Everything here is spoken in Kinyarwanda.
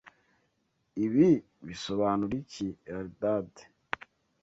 Ibi bisobanura iki? (Eldad)